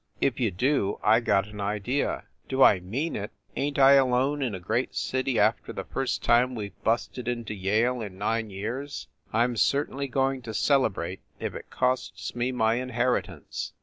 "If you do, I got an idea." "Do I mean it! Ain t I alone in a great city after the first time we ve busted into Yale in nine years? I m certainly going to celebrate if it costs me my inheritance!"